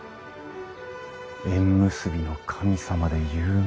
縁結びの神様で有名な神社。